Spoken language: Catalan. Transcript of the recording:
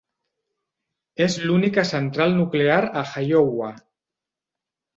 És l'única central nuclear a Iowa.